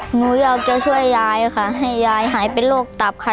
หนูอยากจะช่วยยายค่ะให้ยายหายเป็นโรคตับค่ะ